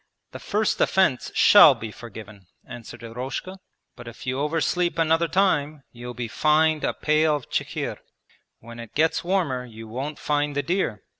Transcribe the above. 'The first offence shall be forgiven,' answered Eroshka, 'but if you oversleep another time you'll be fined a pail of chikhir. When it gets warmer you won't find the deer.'